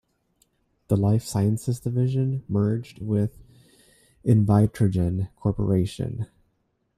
The Life Sciences division merged with Invitrogen Corporation.